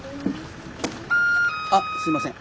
あっすいません。